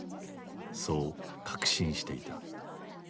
そう確信していた。